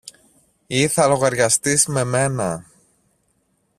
ή θα λογαριαστείς με μένα.